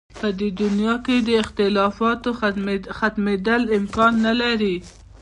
په دې دنیا کې د اختلافاتو ختمېدل امکان نه لري.